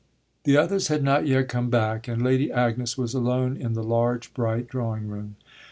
The others had not yet come back, and Lady Agnes was alone in the large, bright drawing room.